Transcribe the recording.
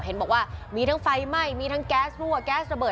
เห็นบอกว่ามีทั้งไฟไหม้มีทั้งแก๊สรั่วแก๊สระเบิ